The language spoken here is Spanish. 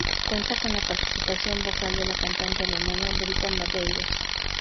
Cuenta con la participación vocal de la cantante alemana Britta Medeiros.